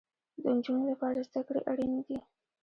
د انجونو لپاره زده کړې اړينې دي